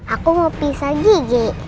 aku mau pisah gigi